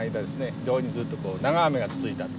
非常にずっとこう長雨が続いた。